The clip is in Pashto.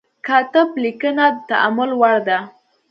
کاتب لیکنه د تأمل وړ ده.